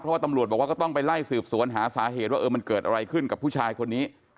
เพราะว่าตำรวจบอกว่าก็ต้องไปไล่สืบสวนหาสาเหตุว่ามันเกิดอะไรขึ้นกับผู้ชายคนนี้